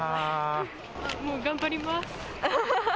もう頑張ります。